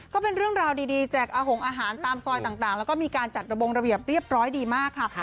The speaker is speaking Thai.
ก็เป็นเรื่องราวดีแจกอาหงอาหารตามซอยต่างแล้วก็มีการจัดระบงระเบียบเรียบร้อยดีมากค่ะ